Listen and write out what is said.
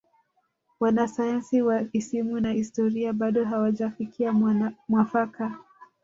wanasayansi wa isimu na historia bado hawajafikia mwafaka